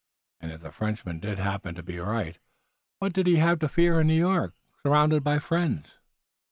And if the Frenchman did happen to be right, what did he have to fear in New York, surrounded by friends?